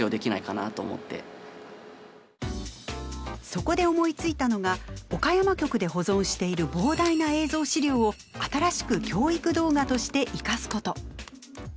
そこで思いついたのが岡山局で保存している膨大な映像資料を新しく教育動画として生かすこと。